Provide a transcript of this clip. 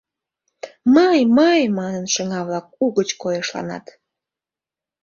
«Мый, мый» манын, шыҥа-влак угыч койышланат.